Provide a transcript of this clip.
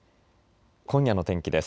今夜の天気です。